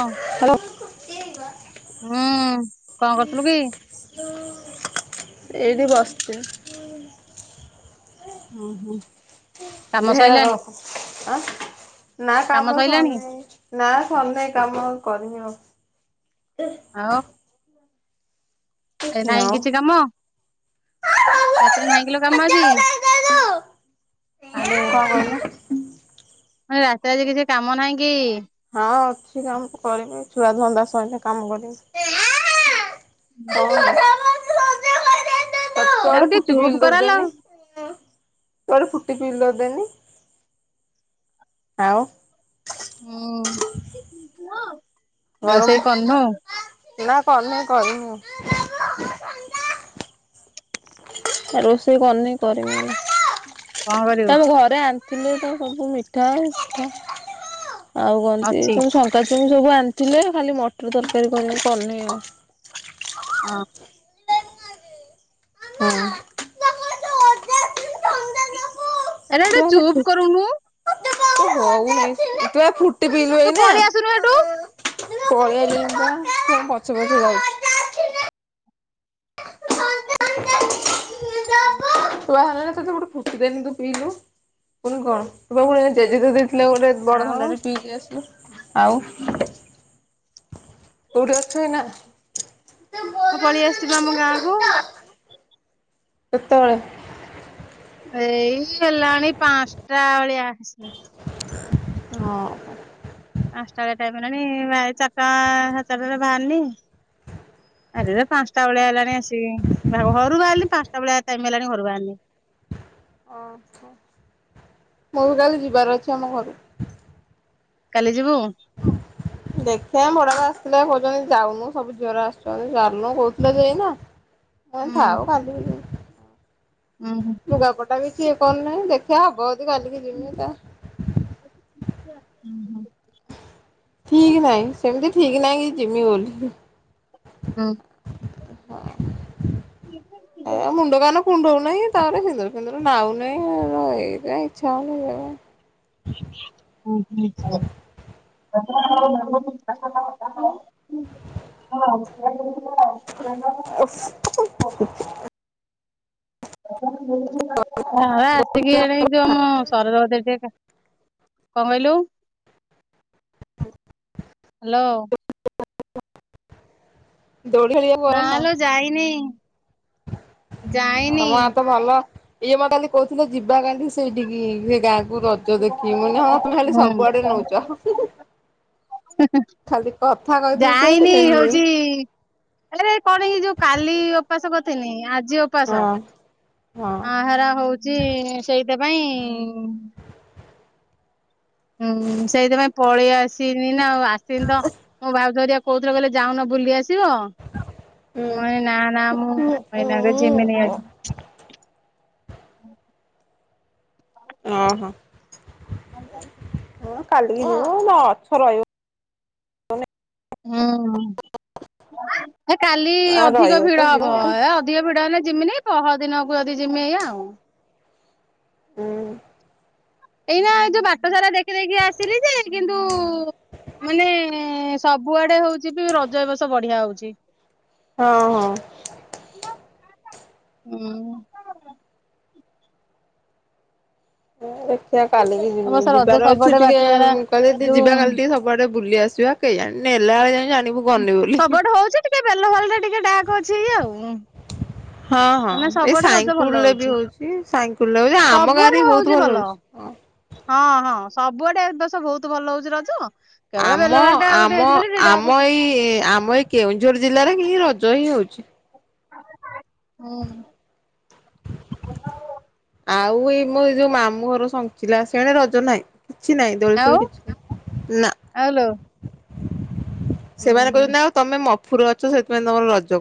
Hello ହୁଁ କଣ କରୁଥିଲୁ କି? ଏଇଠି ବସଥିଲ ଉଁ ହୁଁ କାମ ସଇଲାଣି ନା କାମ ସରିନେଇ ନା ସରିନେଇ କାମ ଆଉ କରିମି ଆଉ ଆଉ ଆ ନାଇଁ କଣ କିଛି କାମ? ରାତିରେ ନାହିଁ କିଲୋ କାମ ଆଜି? ହ୍ୟାଲୋ କହିଲ ମୁଁ ହିଲି ରାତିରେ ଆଜି କିଛି କାମ ନାହିଁ କି? ହଁ ଅଛି କାମ କରିବି। ଛୁଆ ଧନ୍ଦା ସହିଲେ କାମ କରିବି। [unintelligible] ତାକୁ [unintelligible] ଟିକେ ଫୁଟି ଚୁପ୍ ପିଇିଲ ଦ କରାଲୋ ଦେନି କୁଆଡେ ଫୁଟି ପିଇଲ ଦେନି ଆଉ ହୁଁ ରୋଷେଇ କରିନୁ ନା କରିନେଇ କରିମି ଆଉ ରୋଷେଇ କରିନେଇଁ କରିମି ଏବେ କଣ ତ କରିବୁ ଆମ ଘରେ ଆ ଥିଲେ ତ ସବୁ ମିଠା ପିଠା ଆଉ କହନ୍ତି ଅଛି ସବୁ ସ ବୁ ସବୁ ଆଣିଥିଲେ ଖାଲି ମଟର ତରକାରୀ କରିବି କରିନି ଆଉ ଅଁ ହୁଁ। ଏଟା ଟିକେ ତୁ ଚୁପ୍ ଫୁଟ କରୁନୁ ହଉନି ସେଥିପାଇଁ ଫୁଟ ଫୁଟି ପିଇବୁ ତୁ ଏଇନା ପଳେଇ ଆସୁନୁ ହେଠୁ ପଳେଇ ଆଇଲେଣିପା ତମ ପଛେ ପଛେ ଯାଇ କୁଆ ହେଲା ନା ତତେ ଗୋଟେ ଫୁଟିଦେନି ତୁ ପିଇଲୁ। ପୁଣି କଣ [unintelligible] ଜେଜେ ଦେଇଥିଲେ ଗୋଟେ ବଡ ଆଉ ଥଣ୍ଡା ଟେ ପିଇକି ଆସିଲୁ। ଆଉ କଉଠି ଅଛୁ ଏଇନା। ହଁ ପଳିଆସିଚିପା ଆମ ଗାଁ କୁ। କେତଳେ? ଏଇ ହେଲାଣି ପାଞ୍ଚଟା ଭଳିଆ ଆସିବେ। ହଁ। ପାଞ୍ଚଟା ଭଳିଆ ଟାଇମ ହେଲାଣି ଚାରଟା ସାଡେ ଚାରଟାରେ ବାହାରିନି। ଆରେ ପାଞ୍ଚଟା ବେଳିଆ ହେଲାଣି ଆସିଛି ହଁ ଘରୁ ବାହାରିଲି ପାଞ୍ଚଟା ବେଳିଆ ଟାଇମ ହେଲାଣି ଘରୁ ବାହାରିନି। ଅହୋ ହୋଉ କାଲି ଯିବାର ଅଛି ଆମ ଘରୁ କାଲି ଯିବୁ। ଦେଖିଆ ମୋ ବଡାପା ଆସିଥିଲେ କହୁଛନ୍ତି ଯାଉନୁ ସବୁ ଝିଅ ଗୁଡା ଆସୁଚନ୍ତି ଚାଲୁନୁ କହୁଥିଲା ଯେ ଏଇନା। [inaudible] ହଁ ଥାଉ କାଲିକି ଯିବୁ ହଁ। ଓ ହୋ। ଲୁଗାପଟା ବି କିଏ କଣ ନାହିଁ ଦେଖିଆ ହବ ଯଦି କାଲିକି ଯିମି ତା ଉଁହୁଁ। ଠିକ ନାହିଁ ସେମିତି ଠିକ ନାହିଁ କି ଜିମି ବୋଲି। ହୁଁ। ହଁ ଏ ମୁଣ୍ଡ କାନ କୁଣ୍ଡଉନେଇଁ। ତାଲେ ସିନ୍ଦୁର ଫିନ୍ଦୁର ନାଉ ନାହିଁ ଏଇତି ପାଇଁ ଇଛା ହଉନେଇ ଯିବାପାଇଁ। ହୁଁ [unintelligible] [inaudible] [unintelligible] ହଁ ଆସିକି ଏଣେ ଯୋଉ ଆମ ସରଜଗତ ଟିକେ ଦେଖେ କଣ କହିଲୁ। ହାଲୋ। ଦୋଳି ଖେଳିବାକୁ ଗଲଣିନା। ଯାଇନେଇଁ। ହଁ ମୋ ହାତ ଭଲ ଇଏ ମ କାଲି କହୁଥିଲେ ଯିବା କାଲି ସେଇଠିକି ସେ ଗାଁକୁ। ରଜ ଦେଖିମି ମୁଁ କହିନି ହଁ ତମେ ଖାଲି ହୁଁ ସବୁ ଆଡେ ନେଉଚ ହୁଁ ହୁଁ। ଖାଲି କଥା କହି ଦେଉଛନ୍ତି ନେମିନେଇଁ। ଏଇରା ଏଇ କଣ କି ଯୋଉ କାଲି ଉପାସ କରିଥିନି ଆଜି ଓ ଉପାସ ହଁ ହଁ ଆଁ ହେରା ହଉଛି ସେଇଥିପାଇଁ ହୁଁ ସେଇଥିପାଇଁ ପଳେଇ ଆସିନି ନା ଆଉ ଆସିନି ତ ମୁଁ ଭାଉଜ ହେରିଆ କୋଉଥିଲେ କହିଲେ ଯାଉନ ବୁଲି ଆସିବ ମୁଁ ହୁଁ କଇଲି ନାଁ ନାଁ ମୁଁ ଏଇନାକେ ଯିମିନି ଆଜି। ଅଁହୋ ହଁ କାଲିକି ରହୁ ଅଛ ରଇ ହୁଁ ହୁଁ ହେ କାଲି ଅଧିକ ରହିବ ତ ଭିଡ ଯିବ ହବ ହୁଁ ଏ ଅ ଟିକିଏ ଭିଡ ହେଲେ ଜିମିନି ପହର ଦିନକୁ ଯଦି ଜିମି ଏୟା। ହୁଁ। ଏଇନା ଏ ଯୋଉ ବାଟ ସାରା ଦେଖି ଦେଖି ଆସିଲି ଯେ କିନ୍ତୁ ମାନେ ସବୁଆଡେ ହଉଛି ବି ରଜ ଏବସ ବଢିଆ ହଉଚି। ହଁ ହଁ। ହୁଁ। ଦେଖୀଆ କାଲିକି ଯି ଏ ବର୍ଷ ରଜ ଯିବାର ଅଛି ସବୁଆଡେ ବାଟ ଟିକେ ସାରା କହିଲେ ଟିକେ ଯୋଉ ଯିବା କାଲି ଟିକେ ସବ କୁଆଡେ ବୁଲି ଆସିବା କେଇ ଜାଣି ନେଲା ଏଳେ କାଇଁ ଜାଣିବୁ। ହ ଗନି ବୋଲି। ସବୁଠେ ହଉଛି ଟିକେ ବେଲ ଭଲରେ ଟିକେ ଡାକ ଅଛି ଇ ଆଉ ହଁ ହଁ। ମାନେ ଏଇ ସବୁଆଡେ ରଜ ସାଇଙ୍କୁଲ ଭଲ ରେ ବି ହଉଛି ହଉଚି ସାଇଙ୍କୁଲ ରେ ହଉଛି ଆମ ଗାଡି ସବୁଆଡେ ହଉଛି ବହୁତ ଭଲ ହଉଚି ହଁ। ହଁ ହଁ ସବୁଆଡେ ଏଦୋଷ ବହୁତ ଭଲ ହଉଛି ରଜ। କେବଳ ଆମ ବେଲବାଳି ଟା ଗୋଟେ ଆମ ହେଇଛି ବୋଲି ସେଇଟା ଆମ ହୁଁ। ଏଇ ଆମ ଏଇ କେଉଁଝର ଜିଲ୍ଲାରେ କି ରଜ ହିଁ ହେଉଚି। ହୁଁ। ଆଉ ଏଇ ମୋ ଏ ଯୋଉ ମାମୁଁ ଘର ଶଞ୍ଚିଲା ସେଣେ ରଜ ନାଇ। କିଛି ନାହିଁ ଦୋଳି ଫୋଳି କିଛି ନା ତ ନା। ଆଲୋ। ସେମାନେ କହୁଛନ୍ତି ଆଉ ତମେ ମଫୁର ଅଛି ସେଥିପାଇଁ ତମର ରଜ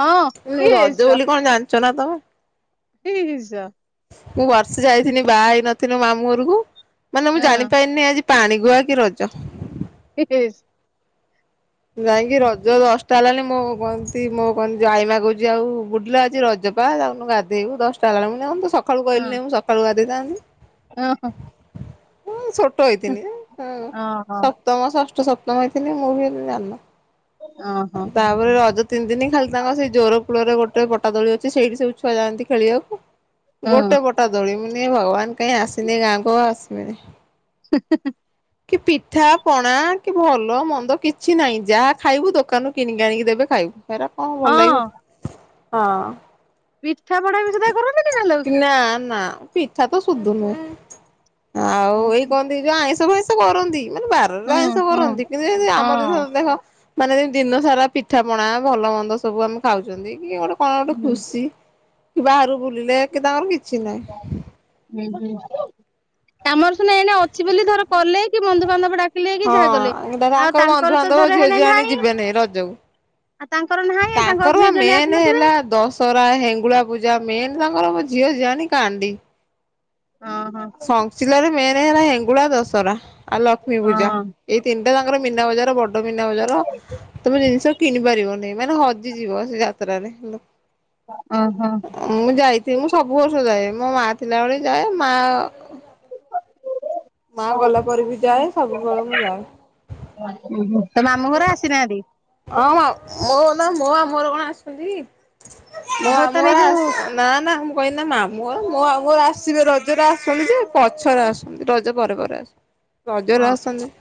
ହଁ ରଜ ଇସ ବୋଲି କଣ ଜାଣିଛ ନା ତମେ? ଇହିସ ମୁଁ ବର୍ଷେ ଯାଇିଥିନି ବାହା ହେଇ ନଥିଲି ମାମୁୁ ଘଁରକୁ ମାନେ ମୁଁ ହଁ ଜାଣିପାରିନି ଆଜି ପାଣି ଗୁଆ କି ରଜ। ଠିକ ଶେ ଯାଇକି ରଜ ଦଶଟା ହେଲାନି ମୁଁ ଏପ ସି ମୋ କହନ୍ତି ଜାଇମା କହୁଛି ଆଉ ବୁଡ଼ି ଲୋ ଆଜି ରଜପା ଜାଉନୁ ଗାଧୋଇେଇବୁ ଦଶଟା ହେଲାଣି ମୁଁ [unintelligible] ସକ ସକାଳୁ କହିଲି ମୁଁ ସକାଳୁ ଗାଧେଇ ଥାନ୍ତି। ଓହୋ। ହୁଁ ଛୋଟ ହେଇଥିଲି ଉଁ ସପ୍ତମ ଷଷ୍ଠ ସପ୍ତମ ହେଇଥିଲି ମୁଁ ବି ଏତେ ହଁ ହଁ ଜା ତାପରେ ରଜ ତିନି ଦିନି ଖାଲି ତାଙ୍କ ସେଇ ଜୋର କୂଳରେ ଗୋଟେ ପଟାଦଳି ଅଛି ସେଠି ସବୁ ଛୁଆ ଯାଆନ୍ତି ଖେଳିଆ କୁ। ହଁ ଗୋଟେ ପଟା ଦୋଳିମୁନି ଭଗବାନ କାଇଁ ଆସିନି ଗାଁକୁ ଆଉ ଆସିମିନି। ହି ହି ହି। କି ପିଠା ପଣା କି ଭଲ ମନ୍ଦ କିଛି ନାଇ ଯାହା ଖାଇବୁ ଦୋକାନରୁ କିଣିକି ଆଣିକି ଦେବେ ଖାଇବୁ। ହେରା କଣ ଭଲ ହଁ ଲାଗିବ ହଁ। ପିଠା ପଣା ବି ଶୁଧା କରନ୍ତି କି ନା ଲୋ। ନା ନା ପିଠା ତ ସୁଧୁ ନୁହେଁ ଆଉ ଲୋ। ଏଇ କଅନ୍ତି। ଯଉ ଆଇଁଷ ଫଇଁଷ କରନ୍ତି ମାନେ ବାରରେ ହୁଁ ଆଇଁଷ ହୁଁ କରନ୍ତି କିନ୍ତୁ ଜେନ୍ତୀ ଆମର ହଁ ଦେଖ ମାନେ ଦିନ ସାରା ପିଠା ପଣା ଭଲ ମନ୍ଦ ସବୁ ଆମେ ଖାଉଛନ୍ତି କି ଗୋଟେ କଣ ଗୋଟେ ହୁଁ ଖୁସି କି ବାହାରୁ ବୁଲିଲେ କେ ତାଙ୍କର କିଛି ନାଇ। ହୁଁ ହୁଁ। ଆମର ସୁୁନା ଏଇଣେ ଅଛି ବୋଲି ଧର କଲେ କି ବନ୍ଧୁବାନ୍ଧବ ଡାକିଲେ କି ଯାହା କଲେ ଆଉ ର ତାଙ୍କର ତ ବନ୍ଧୁବାନ୍ଧ ଧର ଝିଅ ହେଣେ ଝିଆଣି ନାହିଁ ଯିବେନି ରଜକୁ। ଆଉ ତାଙ୍କର ନାହିଁ ତାଙ୍କର ଝିଅ ଆ ଝିଆଣି ମେନ୍ ଆସିନଥିବେ ହେଲା ଦଶ ସରା ହେଙ୍ଗୁଳା ପୂଜା ମେନ୍ ତାଙ୍କର ମୋ ଝିଅ ଝିଆଣୀ କାଣ୍ଡି। ହଁ ହଁ। ସନସିଲା ମେନ୍ ହେଲା ହେଙ୍ଗୁଳା ଦଶରା ଆଉ ଲକ୍ଷ୍ମୀ ପୂଜା ହଁ ଏଇ ତିନିଟା। ତାଙ୍କର ମିନା ବଜାର ବଡ ମିନା ବଜାର ତମେ ଜିନିଷ କିଣି ପାରିବନି ମାନେ ହ ଯିବ ସେ ଯାତ୍ରାରେ ହଁ ହଁ। ମୁଁ ଯାଇଥିଲି ମୁଁ ସବୁ ବର୍ଷ ଯାଏ ମୋ ମା ଥିଲାବେଳେ ଯାଏ ମା ମା ଗଲା ପରେ ବି ଯାଏ ସବୁବେଳେ ମୁଁ ଯାଏ। ତ ମାମୁଁ ଘର ଆସିନାହାନ୍ତି? ହଁ ମୋ ନା ମୋଆ ମୋର ମାମୁଁ କଣ ଆସୁଛନ୍ତି ମୋର ଓହୋ ମାମୁଁ ତାହେଲେ ଏଇ ଘର ଯୋଉ ଆସୁ ନା ନା ମୁଁ କହିନା ମାମୁ ଘର ଆସିବେ ରଜରେ ଆସୁି ଯେ ପଛରେ ଆସୁ ରଜ ପରେ ପରେ ଆସ ହଁ ରଜରେ ଆସନ୍ତି।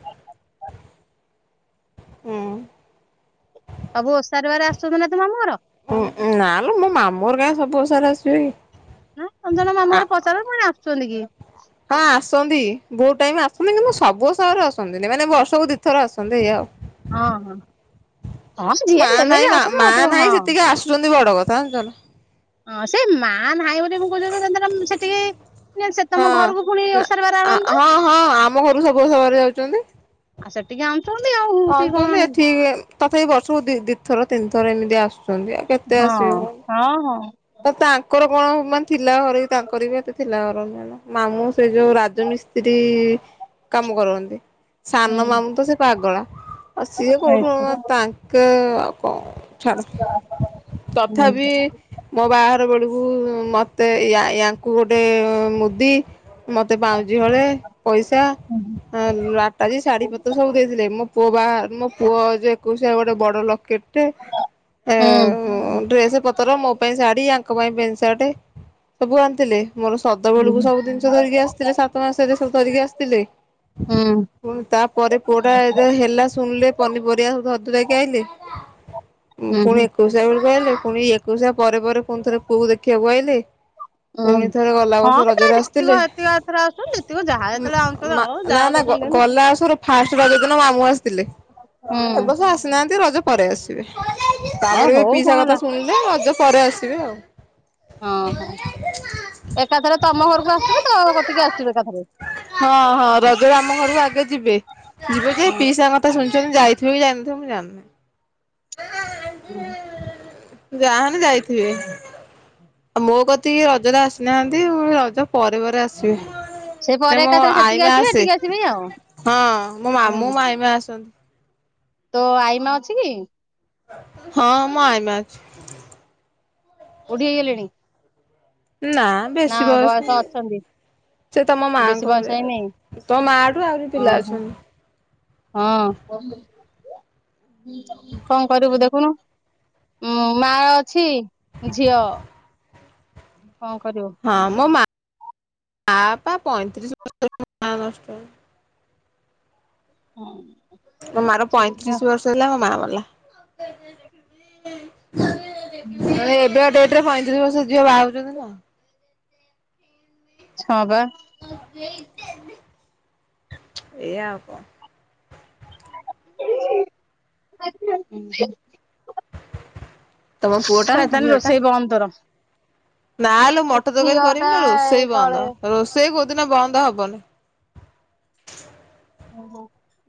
ହୁଁ। ସବୁ ଓସାରବାରେ ଆସୁଛନ୍ତି ନା ତୋ ମାମୁଁ ଘର? ଉୁଁ ଉୁଁ ନାଲୋ ମୋ ମାମୁଁଘର ଗାଁ ସବୁ ଓଷାରେ ଆସିବେ କି? ନା ସଞ୍ଜନା ମାମୁଁ ଆ ଘରେ ପଚାରୁଛନ୍ତିମୁଁ କହିଲି ଆସୁଚନ୍ତି କି? ହଁ ଆସନ୍ତି ବହୁତ ଟାଇମ ଆସନ୍ତି କି ମୁଁ ସବୁ ଓଷାରେ ଆସନ୍ତିନି ମାନେ ବର୍ଷକୁ ଦିଥର ଆସନ୍ତି ଏଇଆ ହଁ ହଁ ଆଉ। ହଁ ଯିଏ ମା ଯେମିତି ନାହିଁ ମା ଆସନ୍ତୁ ମା ମତେ ନାହିଁ ହଁ ସେତିକି ଆସୁଚନ୍ତି ବଡ କଥା ଜାଣିଚନା। ହଁ ସେ ମାଆ ନାହିଁ ବୋଲି ମୁଁ କହୁଚି ନାଁ ସେଦିନ ସେଟିକି ନା ସେ ତମ ହଁ ଘରକୁ ଫୁଣି ନା ଓଷାରବାର ଆଣନ୍ତୁ। ହଁ ହଁ ଆମ ଘରୁ ସବୁ ଓଷାବାରେ ଯାଉଚନ୍ତି। ଆ ସେଟିକି ଅଣୁଚନ୍ତି ଆଉ ହଉଛି କଣ ଆଣୁଛନ୍ତି ଆଣିବୁ। ଏଠି ତଥାପି ବର୍ଷକୁ ଦି ଦିଥର ତିନିଥର ଏମିତିଆ ଆସୁଚନ୍ତି ଆଉ। କେତେ ଆସିବେ ହଁ କଣ। ହଁ ହଁ। ତ ତାଙ୍କର କଣ ମାନେ ଥିଲା ଘରେ ବି ତାଙ୍କ କରିବେ ତ ଥିଲା [unintelligible] ମାମୁଁ ସେ ଯୋଉ ରାଜମିସ୍ତ୍ରୀ କାମ କରନ୍ତି। ହୁଁ ସାନ ମାମୁଁ ତ ସେ ପାଗଳା ଆଉ ସିଏ ହୁଁ କୋଉଠୁ ହୁଁ ତାଙ୍କେ ଆଉ କଣ। ଛାଡ ତଥାବି ମୋ ବାହାଘର ବେଳକୁ ମତେ ୟାଙ୍କୁ ଗୋଟେ ମୁଦି ମତେ ପାଉଁଜି ହଳେ ପଇସା। ହଁ ଆଟାଜୀ ଶାଢୀ ପତ୍ର ସବୁ ଦେଇଥିଲେ ମୋ ପୁଅ ବା ମୋ ପୁଅ ଯେ ଏକୋଇସିିଆ ଗୋଟେ ବଡ ଲକେଟ୍ ଟେ ଡ୍ରେସ ପତର ମୋ ମୋପାଇଁ ଶାଢୀ ଆଙ୍କ ପାଇଁ ପେଣ୍ଟ ସାର୍ଟ ସବୁ ଆଣିଥିଲେ। ମୋର ସଦବେଳକୁ ସବୁ ଜିନିଷ ଧରିକି ଆସିଥିଲେ ସାତ ମାସରେ ସବୁ ଧରିକି ଆସିଥିଲେ। ପୁଣି ତାପରେ ପୁଅଟା ଯେ ହେଲା ସୁଣିଲେ ପନିପରିବା ସବୁ ଧର ଧୁରିକା ଆଇଁଲେ। [inaudible] ପୁଣି ଏକୋଇଶିଆ ବେଳକୁ ଆଇଲେ ଫୁଣି ଏକୋଇଶିଆ ପରେ ପରେ ଫୁଣିଥରେ ପୁଅକୁ ଦେଖିବାକୁ ଆଇଲେ। ପୁଣି ହୁଁ। ଥରେ ଗଲା ବର୍ଷ ହଁ ତା ରଜରେ ଯେତିକ ଆସିଥିଲେ ଯେତିକ ଏଥର ଆସୁଛନ୍ତି ଯେତିକ ଯାହା ଯେତେବେଳେ ଆଣୁଛନ୍ତି ନା ଆଣୁ ନା ଯାହା ନା ଦଉଛନ୍ତି ଦିଅନ୍ତୁ। ଗଲା ବର୍ଷର ଫାଷ୍ଟ ରଜ ଦିନ ମାମୁଁ ଆସିଥିଲେ ହୁଁ ଏବର୍ଷ ଆସିନାହାନ୍ତି ରଜ ପରେ ଆସିବେ ହଁ ତାପରେ ବି ହଉ ପିଇସା କଣ କଥା ହେଲା ଶୁଣିଲେ ରଜ ପରେ ଆସିବେ ଆଉ। ହଁ ହଁ ଏକାଥରେ ତମ ଘରକୁ ଆସିବେ ତ କତିକି ଆସିବେ ଏକାଥରେ। ହଁ ହଁ ରଜରେ ଆମ ଘରକୁ ଆଗେ ଯିବେ ଯିବେ ଯେ ପିଇସାଙ୍ଗ ତ ଶୁଣିଚନ୍ତି ଯାଇଥିବେ କି ଜାଇନଥିବ ମୁଁ ଜାଣିନି। ହୁଁ। ଯାହାହେନେ ଯାଇଥିବେ। ମୋ କତି କି ରଜରେ ଆସିନାହାନ୍ତି ଆଉ ରଜ ପରେ ପରେ ଆସିବେ ସେ ପରେ ମୋ ଏକାଥରେ ସେଠିକି ଆଈ ମା ଆସିବେ ଆସେ। ଏଠିକି ଆସିବେ ଆଉ ହଁ ମୋ ମାମୁଁ ଆଈ ମା ଆସନ୍ତି। ତୋ ଆଈମା ଅଛି କି? ହଁ ମୋ ଆଈ ମା ଅଛି। ବୁଢ଼ୀ ହେଇଗଲେଣି। ନା ନା ବେଶୀ ବୟସ ହେଇନି। ଅଛନ୍ତି ସେ ତମ ବେଶୀ ମାଆଙ୍କ ବୟସ ହେଇନି ଭଳିଆ ତୋ ମାଠୁ ଆହୁରି ପିଲା ଓହୋ ଅଛନ୍ତି। ହଁ କଣ କରିବୁ ଦେଖୁନୁ। ଉଁ ମା ଅଛି ଝିଅ କଣ କରିବ। ହଁ ମୋ ମା ମାପା ପଇଁତିରିଶ ବର୍ଷରେ ମା ନଷ୍ଟ ହେଲା। ହଁ। ମୋ ମା ର ବା ପଇଁତିରିଶ ବର୍ଷ ହେଲା ମୋ ମା ମଲା ଏବେ ଡେଟ ରେ ପଇଁତିରିଶ ବର୍ଷ ଝିଅ ବାହା ହେଉଚନ୍ତି ନା ହଁ ପା। ଏଆ ଆଉ କ [inaudible] ତମ ପୁଅ ଟା ସୁ ଆଃ ତାନ୍ ରୋଷେଇ ବନ୍ ତୋର। ନାଁ ଲୋ ମଟ ତକାରୀ ଝିଅ କରିମି ଟା ନା ରୋଷେଇ ତଳେ ବନ୍ଦ ରୋଷେଇ କୋଉ ଦିନ ବନ୍ଦ ହବନି। ଓହୋ।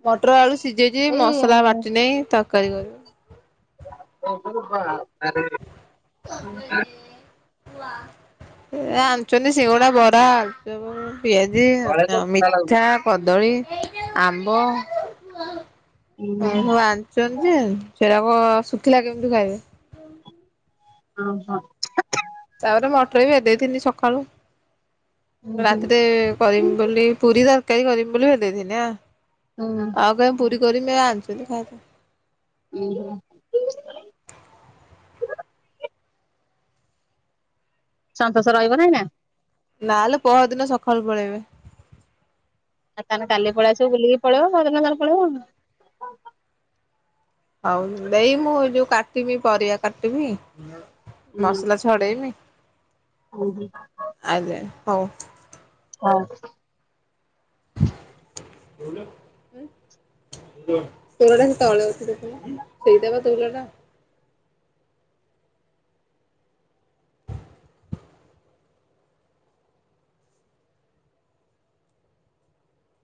ମଟର ଆଳୁ ସିଝେଇଚି ମସଲା ବାଟି ନେଇ ତରକାରୀ କରିବ। ଓହୋ ବାବାରେ ତମେ ତା ଏ ଆଣିଚନ୍ତି ସିଙ୍ଗଡ଼ା, ବରା, ଆଳୁଚପ। ପିଆଜି ଆଉ ତ ତା ଥଣ୍ଡା ଲାଗୁଥିଲା ମିଠା, କଦଳୀ, ଆମ୍ବ ଏଁ ସବୁ ଆଣଚନ୍ ଯେ ସେରାକ ଶୁଖିଲା କେମିତି ଖାଇବେ? ଓହୋ। ତାପରେ ମଟର ବି ଭେଦେଇଥିନି ସଖାଳୁ ରାତିରେ ସନ୍ତୋଷ କରିମି ବୋଲି ପୁରୀ ତରକାରୀ କରିମି ବୋଲି ଭେଦେଇଥିନି ଆ। ଉଁ ଆଉ କାଇଁ ପୁରୀ କରିିମି ଏ ଆଣଚନ୍ତି ଖାଇଦେ ଉଁ ହୁଁ। ସନ୍ତୋଷ ରହିବ ନା ଏଇନା? ନା ଲୋ ପହଦିନ ସଖାଳୁ ପଳେଇବେ। ଆ ତାନେ କାଲି ପଳିଆସିବ ବୁଲିକି ପଳେଇବ ପହଦିନ ତାନେ ପଳେଇବ। ହଉ ଦେଇ ମୁଁ ଯୋଉ କାଟିବି ପରିବା କାଟିବି ମସଲା ଛଡ଼େଇମି। ଓହୋ। ଆ ଯେ ହଉ। ହଁ। ବୋଉର। ତୋଉଲାଟା ସେ ତଳେ ଅଛି ଦେଖୁନ ସେଇଟା ବା ତୋଉଲଟା।